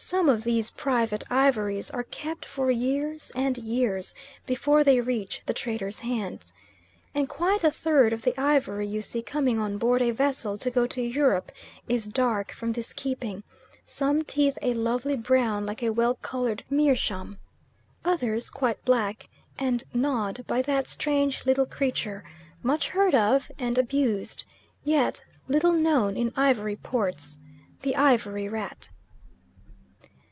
Some of these private ivories are kept for years and years before they reach the trader's hands. And quite a third of the ivory you see coming on board a vessel to go to Europe is dark from this keeping: some teeth a lovely brown like a well coloured meerschaum, others quite black, and gnawed by that strange little creature much heard of, and abused, yet little known in ivory ports the ivory rat.